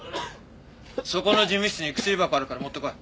そこの事務室に薬箱あるから持ってこい。